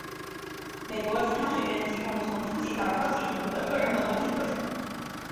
美国吉他学院提供从初级到高级程度的个人和团体课程。